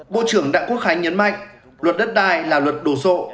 bộ trưởng đặng quốc khánh nhấn mạnh luật đất đai là luật đồ sộ